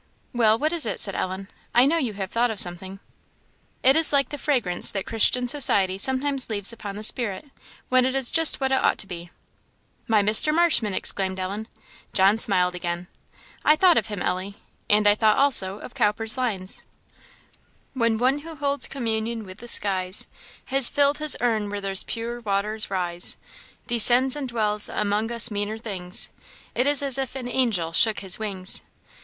"Well, what is it?" said Ellen; "I know you have thought of something." "It is like the fragrance that Christian society sometimes leaves upon the spirit; when it is just what it ought to be." "My Mr. Marshman!" exclaimed Ellen. John smiled again. "I thought of him, Ellie. And I thought, also, of Cowper's lines: 'When one who holds communion with the skies Has filled his urn where those pure waters rise, Descends and dwells among us meaner things, It is as if an angel shook his wings!'